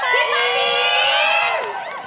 พีฟาดีน